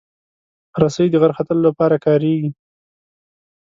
رسۍ د غر ختلو لپاره کارېږي.